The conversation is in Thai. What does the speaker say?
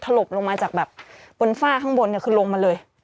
หลบลงมาจากแบบบนฝ้าข้างบนเนี่ยคือลงมาเลย